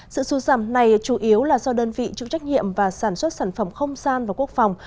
sự sụt giảm này chủ yếu là do đơn vị chịu trách nhiệm và sản xuất sản phẩm không gian và quốc phòng